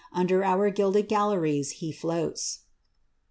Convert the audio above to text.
Under our gilded galleries be floats."